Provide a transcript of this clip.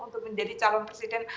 untuk menjadi calon presiden